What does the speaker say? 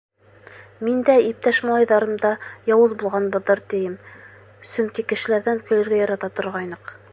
Мин дә, иптәш малайҙарым да яуыз булғанбыҙҙыр, тием, сөнки кешеләрҙән көлөргә ярата торғайныҡ.